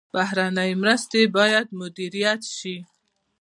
بهرنۍ مرستې باید مدیریت شي